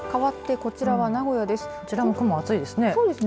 こちらも雲、厚いですね。